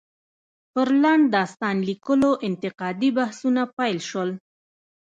پر لنډ داستان ليکلو انتقادي بحثونه پيل شول.